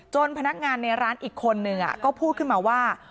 พนักงานในร้านอีกคนนึงก็พูดขึ้นมาว่า